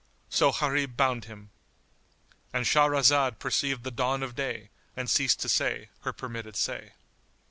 So Gharib bound him,——And Shahrazad perceived the dawn of day and ceased to say her permitted say.